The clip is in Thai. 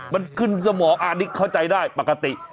มันขึ้นสมองอันนี้เข้าใจได้ปกติ